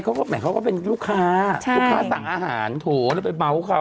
หมายความว่าเขาเป็นลูกค้าลูกค้าต่างอาหารโถแล้วไปเมาส์เขา